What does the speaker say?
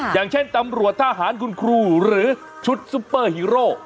อย่างเช่นตำรวจทหารคุณครูหรือชุดซุปเปอร์ฮีโร่